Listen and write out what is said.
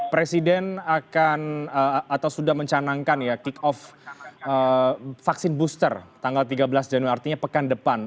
presiden akan atau sudah mencanangkan ya kick off vaksin booster tanggal tiga belas januari artinya pekan depan